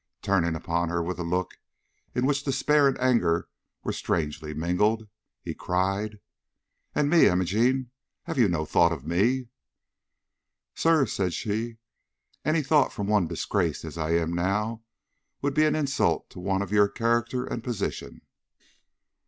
Turning upon her with a look in which despair and anger were strangely mingled, he cried: "And me, Imogene have you no thought for me?" "Sir," said she, "any thought from one disgraced as I am now, would be an insult to one of your character and position."